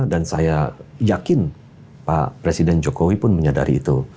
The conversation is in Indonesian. dan saya yakin pak presiden jokowi pun menyadari itu